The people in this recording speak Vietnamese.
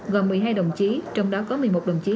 gồm một mươi hai đồng chí trong đó có một mươi một đồng chí